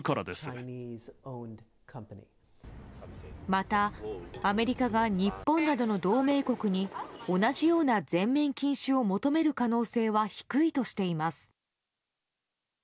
また、アメリカが日本などの同盟国に同じような全面禁止を求める可能性は低いとしています。